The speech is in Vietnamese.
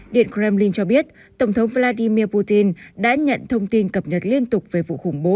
điện kremlin cho biết tổng thống vladimir putin đã nhận thông tin cập nhật liên tục về vụ khủng bố